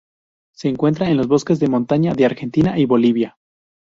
Se encuentra en los bosques de montaña de Argentina y Bolivia.